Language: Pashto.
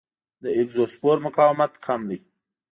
د اګزوسپور مقاومت کم دی.